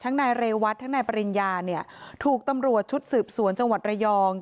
นายเรวัตทั้งนายปริญญาเนี่ยถูกตำรวจชุดสืบสวนจังหวัดระยอง